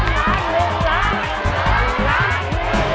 มาก